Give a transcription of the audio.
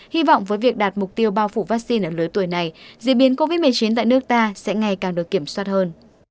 hy vọng với việc đạt mục tiêu bao phủ vaccine ở lứa tuổi này diễn biến covid một mươi chín tại nước ta sẽ ngày càng được kiểm soát hơn